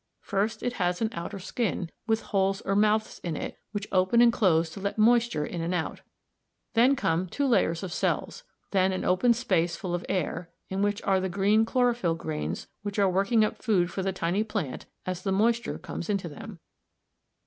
First it has an outer skin, with holes or mouths in it which open and close to let moisture in and out. Then come two layers of cells, then an open space full of air, in which are the green chlorophyll grains which are working up food for the tiny plant as the moisture comes in to them.